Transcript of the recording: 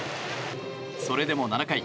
それでも７回。